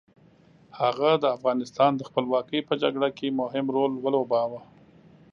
هغه د افغانستان د خپلواکۍ په جګړه کې مهم رول ولوباوه.